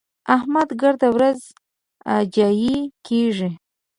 احمد ګرده ورځ اجايي کېږي.